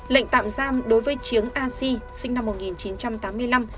lệnh tạm giam đối với chiếng a si sinh năm một nghìn chín trăm tám mươi năm